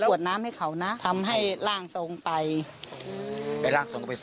ว่าอย่างงี้